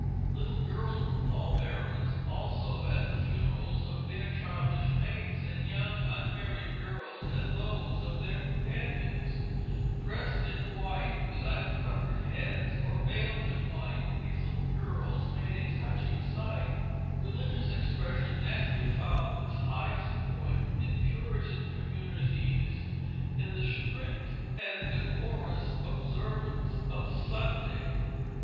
Little girls were pall bearers also at the funerals of their childish mates, and young unmarried girls at those of their companions. Dressed in white with uncovered heads, or veiled in white, these little girls made a touching sight. Religious expression naturally found its highest point in Puritan communities in the strict and decorous observance of Sunday.